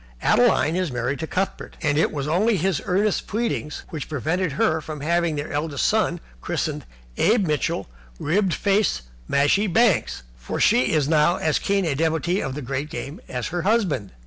Adeline is married to Cuthbert, and it was only his earnest pleading which prevented her from having their eldest son christened Abe Mitchell Ribbed Faced Mashie Banks, for she is now as keen a devotee of the great game as her husband.